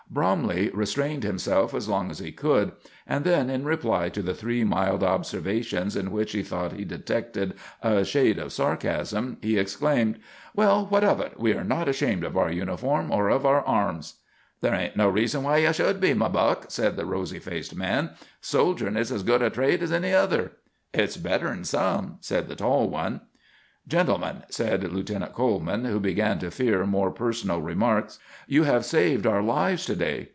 Bromley restrained himself as long as he could, and then, in reply to the three mild observations, in which he thought he detected a shade of sarcasm, he exclaimed: "Well, what of it? We are not ashamed of our uniform or of our arms." "There ain't no reason why ye should be, my buck," said the rosy faced man. "Soldierin' is as good a trade as any other." "Hit's better 'n some," said the tall one. "Gentlemen," said Lieutenant Coleman, who began to fear more personal remarks, "you have saved our lives to day.